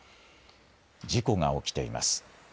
事故が起きています。